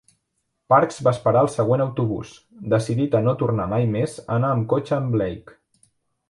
Parks va esperar el següent autobús, decidit a no tornar mai més a anar amb cotxe amb Blake.